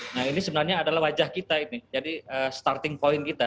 nah ini sebenarnya adalah wajah kita ini jadi starting point kita